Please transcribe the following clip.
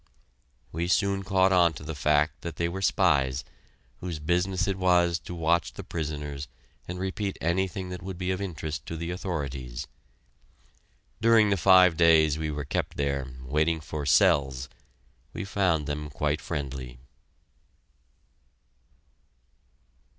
We soon caught on to the fact that they were spies, whose business it was to watch the prisoners and repeat anything that would be of interest to the authorities. During the five days we were kept there, waiting for "cells," we found them quite friendly.